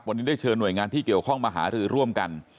วันนี้ได้เชิญหน่วยงานที่เกี่ยวข้องมาหารือร่วมกัน